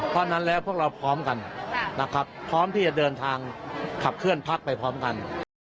เพราะฉะนั้นแล้วพวกเราพร้อมกันนะครับพร้อมที่จะเดินทางขับเคลื่อนพักไปพร้อมกัน